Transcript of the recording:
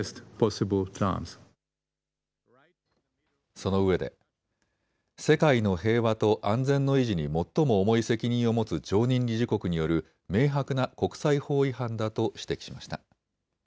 そのうえで世界の平和と安全の維持に最も重い責任を持つ常任理事国による明白な国際法違反だと指摘しました。